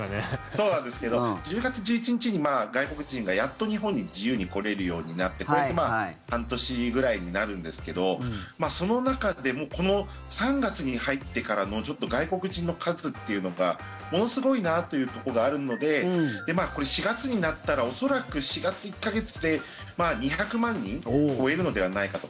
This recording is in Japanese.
そうなんですけど１０月１１日に外国人がやっと日本に自由に来られるようになって半年くらいになるんですけどその中でもこの３月に入ってからの外国人の数というのがものすごいなというところがあるのでこれ、４月になったら恐らく４月１か月で２００万人を超えるのではないかと。